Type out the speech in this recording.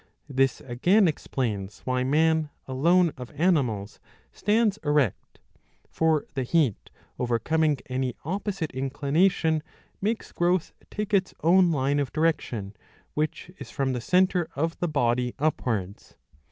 '^ This again explains why man, alone of animals, stands erect. For the heat, overcoming ahy opposite inclination, makes growth take its own line of direction, which is from the centre of the body upwards.